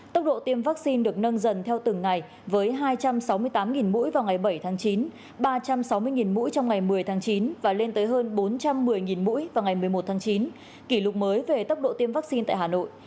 tốc độ tiêm vaccine được nâng dần theo từng ngày với hai trăm sáu mươi tám mũi vào ngày bảy tháng chín ba trăm sáu mươi mũi trong ngày một mươi tháng chín và lên tới hơn bốn trăm một mươi mũi vào ngày một mươi một tháng chín kỷ lục mới về tốc độ tiêm vaccine tại hà nội